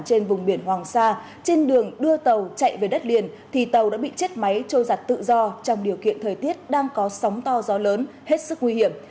trên vùng biển hoàng sa trên đường đưa tàu chạy về đất liền thì tàu đã bị chết máy trôi giặt tự do trong điều kiện thời tiết đang có sóng to gió lớn hết sức nguy hiểm